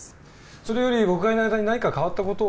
それより僕がいない間に何か変わった事は？